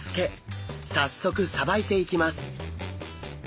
早速さばいていきます！